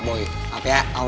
ternyata itu saya